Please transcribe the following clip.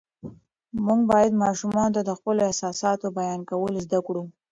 موږ باید ماشومانو ته د خپلو احساساتو بیان کول زده کړو